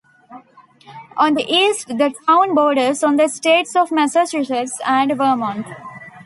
On the east the town borders on the states of Massachusetts and Vermont.